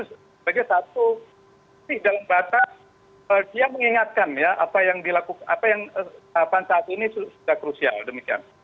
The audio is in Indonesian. sebagai satu dalam batas dia mengingatkan ya apa yang dilakukan apa yang saat ini sudah krusial demikian